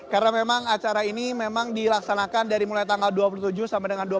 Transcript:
karena memang acara ini memang dilaksanakan dari mulai tanggal dua puluh tujuh sampai dengan dua puluh sembilan